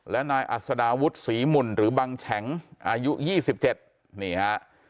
และนายอัศดาวุฒิศรีหมุนหรือบังแฉงอายุ๒๗นี่ฮะ